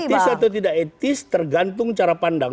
etis atau tidak etis tergantung cara pandang